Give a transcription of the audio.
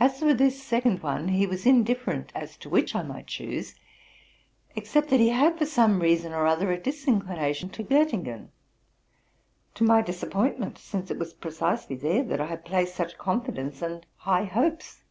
As for this second one he was indifferent as to which I might choose, except that he had for some reason or other a disinclination to Gottingen, to my disappointment, since it was precisely there that I had placed such confidence and high hopes.